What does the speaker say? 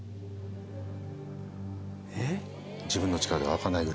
えっ？